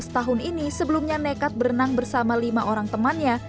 tujuh belas tahun ini sebelumnya nekat berenang bersama lima orang temannya